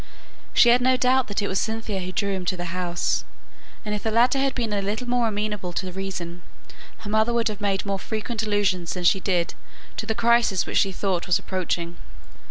She had no doubt that it was Cynthia who drew him thither; and if the latter had been a little more amenable to reason, her mother would have made more frequent allusions than she did to the crisis which she thought was approaching.